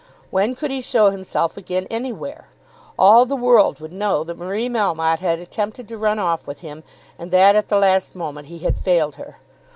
When could he show himself again anywhere? All the world would know that Marie Melmotte had attempted to run off with him, and that at the last moment he had failed her.